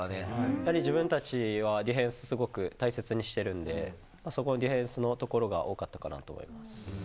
やはり自分たちはディフェンス、すごく大切にしてるんで、そこはディフェンスのところが多かったかなと思います。